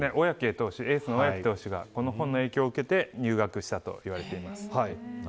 エースの小宅投手がこの本の影響を受けて入学したと言われてます。